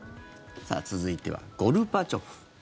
続いては、ゴルバチョフ。